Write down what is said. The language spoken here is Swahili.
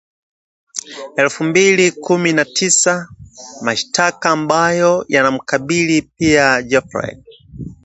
elfu mbili kumi na tisa mashtaka ambayo yanamkabili pia Geoffrey